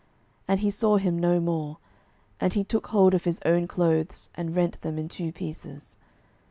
And he saw him no more: and he took hold of his own clothes, and rent them in two pieces.